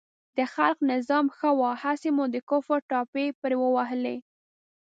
د خلق نظام ښه و، هسې مو د کفر ټاپې پرې ووهلې.